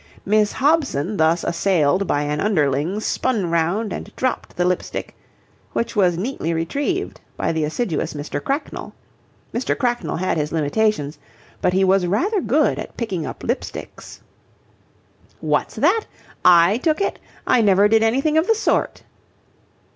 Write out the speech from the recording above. Miss Hobson thus assailed by an underling, spun round and dropped the lip stick, which was neatly retrieved by the assiduous Mr. Cracknell. Mr. Cracknell had his limitations, but he was rather good at picking up lip sticks. "What's that? I took it? I never did anything of the sort."